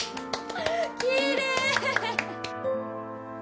きれい！